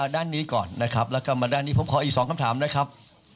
ด้านนี้ก่อนนะครับแล้วก็มาด้านนี้ผมขออีก๒คำถามนะครับ